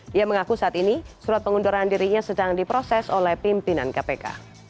dia mengaku saat ini surat pengunduran dirinya sedang diproses oleh pimpinan kpk